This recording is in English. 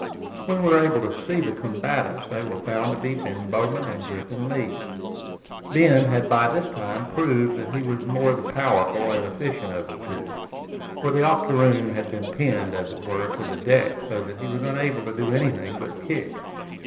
When we were able to see the combatants, they were found to be Ben Bowman and Griffin Leeds. Ben had by this time proved that he was the more powerful and efficient of the two, for the octoroon had been pinned, as it were, to the deck, so that he was unable to do anything but kick.